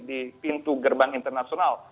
di pintu gerbang internasional